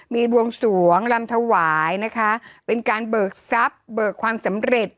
มีบวงสวงลำถวายนะคะเป็นการเบิกทรัพย์เบิกความสำเร็จ